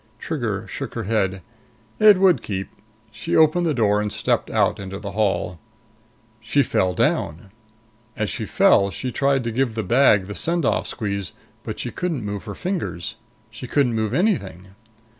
Trigger shook her head. It would keep. She opened the door and stepped out into the hall. She fell down. As she fell, she tried to give the bag the send off squeeze, but she couldn't move her fingers. She couldn't move anything.